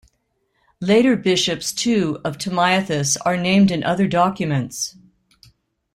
Later bishops too of Tamiathis are named in other documents.